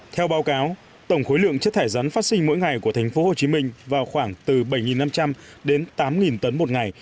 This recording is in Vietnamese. theo báo cáo tổng khối lượng chất thải rắn phát sinh mỗi ngày của thành phố hồ chí minh vào khoảng từ bảy năm trăm linh đến tám tấn một ngày